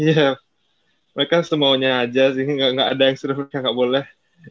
iya mereka semuanya aja sih gak ada yang serius gak boleh